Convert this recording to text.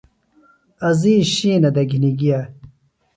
عزیز شِینہ دےۡ گھِنیۡ گِیہ